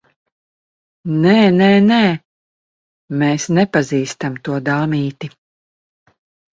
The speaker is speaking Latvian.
Nē, nē, nē. Mēs nepazīstam to dāmīti.